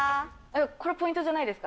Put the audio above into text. これ、ポイントじゃないですか。